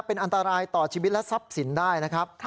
เป็นอันตรายต่อชีวิตและทรัพย์สินได้นะครับ